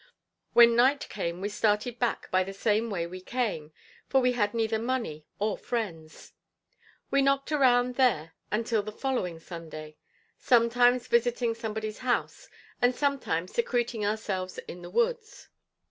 When night came, we started back by the same way we came, for we had neither money or friends. We knocked around there until the following Sunday; sometimes visiting somebody's house, and sometimes secreting ourselves in the woods.